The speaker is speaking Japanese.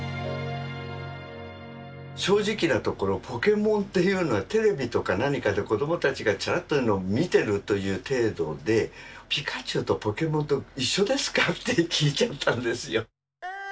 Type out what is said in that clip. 正直なところポケモンっていうのはテレビとか何かで子供たちがチラッと見てるという程度でピカチュウとポケモンと一緒ですか？って聞いちゃったんですよ。